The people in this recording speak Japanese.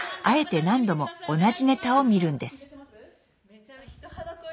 あえて何度も同じネタを見るんです。